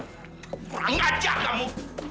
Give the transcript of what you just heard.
enggak jatuh kamu